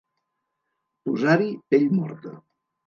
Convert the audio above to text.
Posar-hi pell morta.